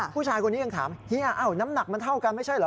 ผู้ชายคนนี้ยังถามเฮียอ้าวน้ำหนักมันเท่ากันไม่ใช่เหรอ